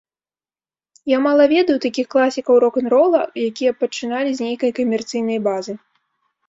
Я мала ведаю такіх класікаў рок-н-рола, якія б пачыналі з нейкай камерцыйнай базы.